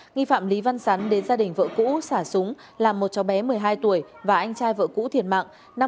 nghi phạm lý văn sắn đến gia đình vợ cũ xả súng làm một cháu bé một mươi hai tuổi và anh trai vợ cũ thiệt mạng